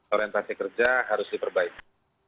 orientasi kerja harus diperbaiki